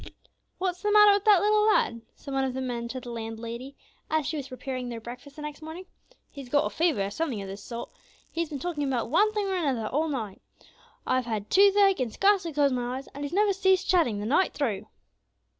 "What's the matter with that little lad?" said one of the men to the landlady, as she was preparing their breakfast the next morning. "He's got a fever, or something of the sort. He's been talking about one thing or another all night. I've had toothache, and scarcely closed my eyes, and he's never ceased chatting the night through."